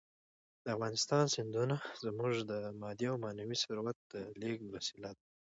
د افغانستان سیندونه زموږ د مادي او معنوي ثروت د لېږد وسیله ده.